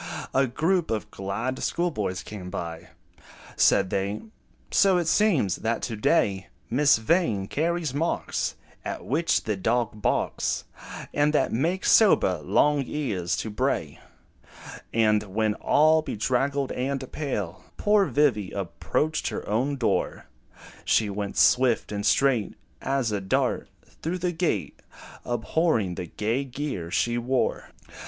A group of glad schoolboys came by: Said they, "So it seems, that to day, Miss Vain carries marks At which the dog barks, And that make sober Long Ears to bray." And when, all bedraggled and pale, Poor Vivy approached her own door, She went, swift and straight As a dart, through the gate, Abhorring the gay gear she wore.